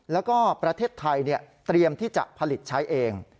แล้วก็ประเทศไทยเตรียมที่จะผลิตใช้เอง